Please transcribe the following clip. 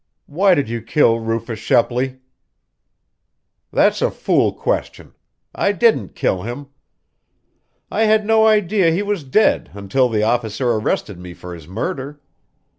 "Why did you kill Rufus Shepley?" "That's a fool question. I didn't kill him. I had no idea he was dead until the officer arrested me for his murder.